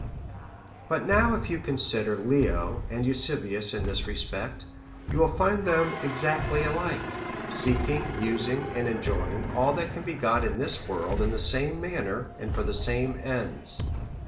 But now, if you consider Leo and Eusebius in this respect, you will find them exactly alike, seeking, using, and enjoying all that can be got in this world, in the same manner and for the same ends.